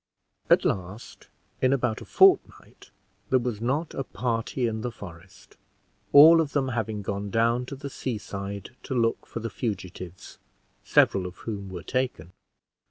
At last, in about a fortnight, there was not a party in the forest; all of them having gone down to the seaside, to look out for the fugitives, several of whom were taken.